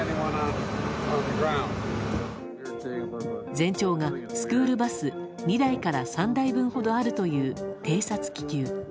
全長がスクールバス２台から３台分ほどあるという偵察気球。